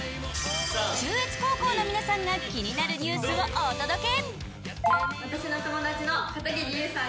中越高校の皆さんが気になるニュースをお届け。